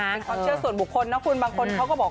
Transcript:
เป็นความเชื่อส่วนบุคคลนะคุณบางคนเขาก็บอก